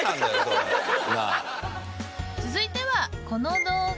続いてはこの動画。